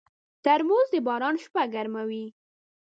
ترموز د باران شپه ګرموي.